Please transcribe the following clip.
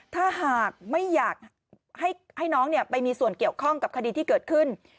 ถ้าหากไม่อยากให้น้องไปมีส่วนเกี่ยวข้องกับคดีที่เกิดขึ้น